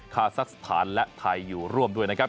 คาซักสถานและไทยอยู่ร่วมด้วยนะครับ